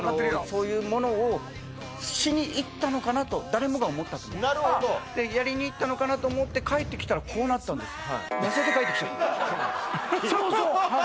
そういうものをしに行ったのかなと誰もが思ったと思うんですなるほどでやりに行ったのかなと思って帰ってきたらこうなったんです